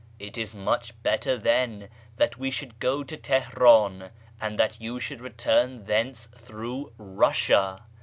It is iiuicli lictlcr, llicii, that we should go to Tehenin, and that you should return thence through Russia.